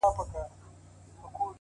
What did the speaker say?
• يو ديدن يې دئ وروستى ارمان راپاته,